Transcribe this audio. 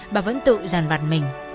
bà vẫn tự dàn vặt mình